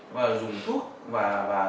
và dùng thuốc và